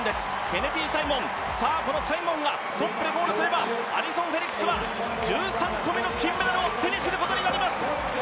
ケネディ・サイモン、このサイモンがトップでゴールすればアリソン・フェリックスは１３個目の金メダルを手にすることになります！